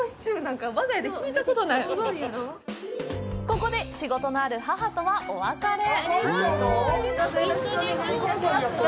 ここで、仕事のある母とはお別れ。